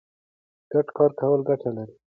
ګډ کار کول ګټه لري.